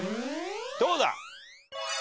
どうだ？